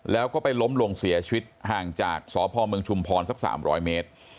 แล้วก็ไปล้มลงเสียชีวิตห่างจากสพเมืองชุมพรสัก๓๐๐เมตร